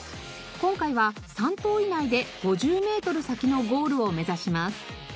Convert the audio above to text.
今回は３投以内で５０メートル先のゴールを目指します。